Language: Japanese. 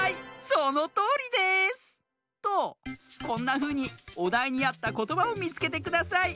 そのとおりです！とこんなふうにおだいにあったことばをみつけてください。